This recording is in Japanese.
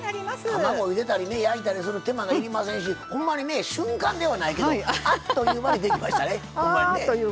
卵ゆでたり焼いたりする手間もいりませんしほんまに瞬間ではないけどあっという間にできましたね。